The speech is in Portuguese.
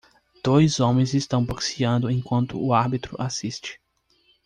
Dois homens estão boxeando enquanto o árbitro assiste.